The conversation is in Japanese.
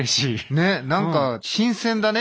ねっ何か新鮮だね。